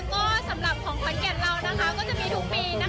ก็ขอเชิญชวนชาวจังหวัดอื่นหรือว่าจังหวัดใกล้เคียงนะคะ